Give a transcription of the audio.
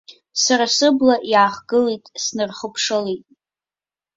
Сара сыбла иаахгылеит, снархыԥшылеит.